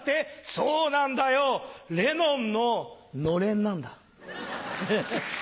そうなんだよレノンののれんなんだ。